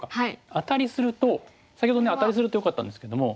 アタリすると先ほどアタリするとよかったんですけども。